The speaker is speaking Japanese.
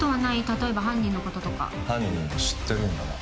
例えば犯人のこととか犯人を知ってるんだな